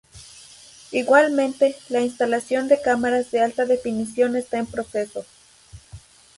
Igualmente, la instalación de cámaras de alta definición está en proceso.